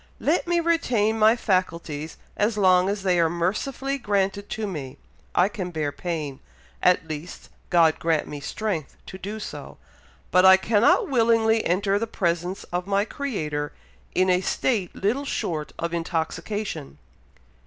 Let me retain my faculties as long as they are mercifully granted to me. I can bear pain, at least, God grant me strength to do so, but I cannot willingly enter the presence of my Creator in a state little short of intoxication."